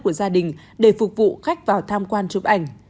của gia đình để phục vụ khách vào tham quan chụp ảnh